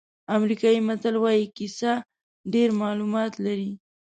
امریکایي متل وایي کیسه ډېر معلومات لري.